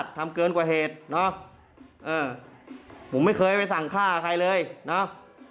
ทำเกินกว่าเหตุเนอะเออผมไม่เคยไปสั่งฆ่าใครเลยเนาะ